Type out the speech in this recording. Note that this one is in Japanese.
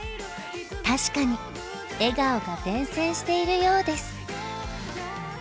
確かに笑顔が伝染しているようです。